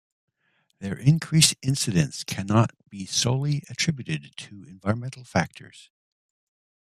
Their increased incidence cannot be solely attributed to environmental factors.